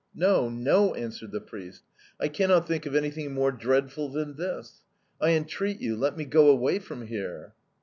"'No, no!' answered the priest, 'I cannot think of anything more dreadful than this. I entreat you, let me go away from here!'